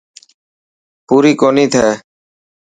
پوري ڪوني ٿي.